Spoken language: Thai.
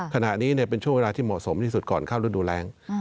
ขณะนี้เป็นช่วงเวลาที่เหมาะสมที่สุดก่อนเข้าฤดูแรง